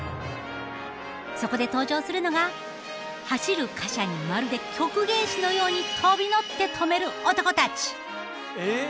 そこで登場するのが走る貨車にまるで曲芸師のように飛び乗って止める男たち。